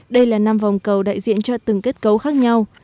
đây là năm vòng cầu đại diện cho từng kết cấu khác nhau